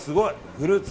フルーツ。